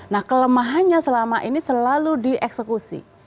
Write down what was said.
nah kelemahannya selama ini selalu dieksekusi